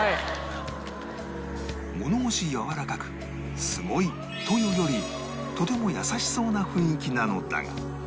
物腰やわらかく「すごい」というよりとても優しそうな雰囲気なのだが